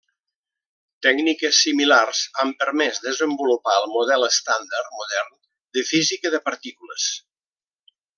Tècniques similars han permès desenvolupar el model estàndard modern de física de partícules.